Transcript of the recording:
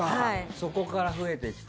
そこから増えてきて。